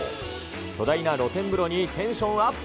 巨大な露天風呂にテンションアップ。